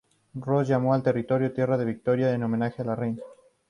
Ross llamó al territorio Tierra de Victoria en homenaje a la reina.